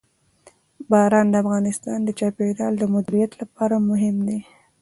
باران د افغانستان د چاپیریال د مدیریت لپاره مهم دي.